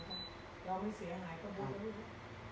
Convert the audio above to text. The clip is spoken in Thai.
เราไม่เสียหายคำบูรณ์เลย